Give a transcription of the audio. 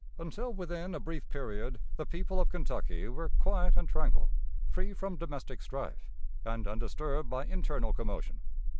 "Until within a brief period the people of Kentucky were quiet and tranquil, free from domestic strife, and undisturbed by internal commotion.